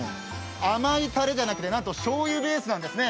甘いたれじゃなくて、なんとしょうゆベースなんですね。